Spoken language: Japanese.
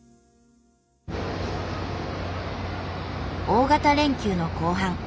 大型連休の後半。